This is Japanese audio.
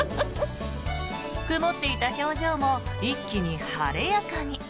曇っていた表情も一気に晴れやかに。